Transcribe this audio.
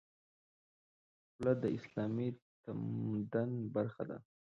خولۍ د اسلامي تمدن برخه ده.